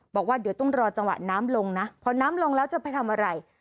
บอกว่าเดี๋ยวต้องรอจังหวะน้ำลงนะพอน้ำลงแล้วจะไปทำอะไร